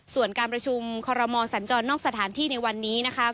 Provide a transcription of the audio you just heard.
ส่วนการประชุมคอรมอสัญจรนอกสถานที่ในวันนี้นะคะ